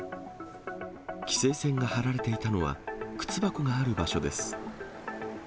規制線が張られていたのは、靴箱がある場所です。